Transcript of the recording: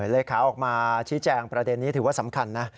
เลขาออกมาชี้แจงประเด็นนี้ถือว่าสำคัญนะ